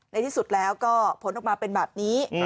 ในที่สุดแล้วก็ผลออกมาเป็นแบบนี้